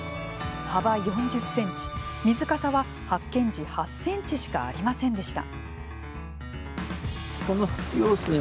幅４０センチ、水かさは発見時８センチしかありませんでした。